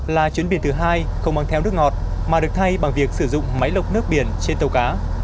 là chuyến biển thứ hai không mang theo nước ngọt mà được thay bằng việc sử dụng máy lọc nước biển trên tàu cá